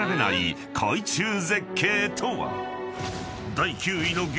［第９位の激